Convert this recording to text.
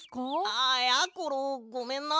ああやころごめんな。